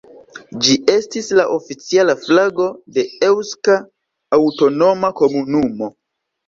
Ĝi estis la oficiala flago de Eŭska Aŭtonoma Komunumo.